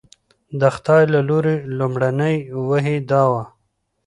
د خدای له لوري لومړنۍ وحي دا وه.